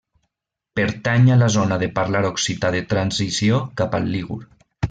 Pertany a la zona de parlar occità de transició cap al lígur.